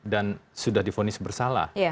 dan sudah difonis bersalah